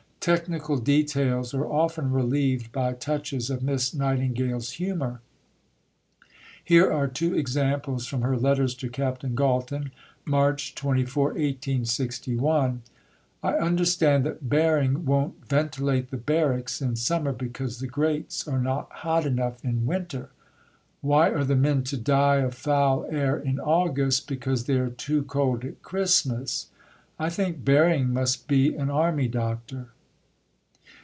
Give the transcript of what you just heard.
Technical details are often relieved by touches of Miss Nightingale's humour. Here are two examples from her letters to Captain Galton (March 24, 1861): "I understand that Baring won't ventilate the Barracks in summer because the grates are not hot enough in winter. Why are the men to die of foul air in August because they are too cold at Christmas? I think Baring must be an army doctor."